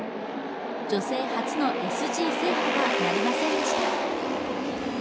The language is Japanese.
女性初のＳＧ制覇はなりませんでした。